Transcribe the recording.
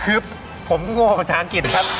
คือผมโง่ของภาษาอังกฤษครับ